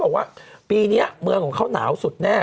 บอกว่าปีนี้เมืองของเขาหนาวสุดแน่